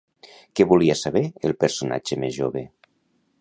Què volia saber el personatge més jove?